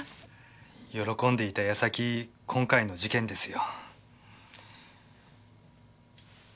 喜んでいた矢先今回の事件ですよ。